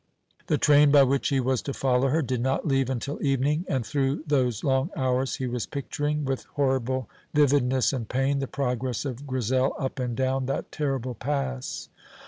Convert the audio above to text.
The train by which he was to follow her did not leave until evening, and through those long hours he was picturing, with horrible vividness and pain, the progress of Grizel up and down that terrible pass.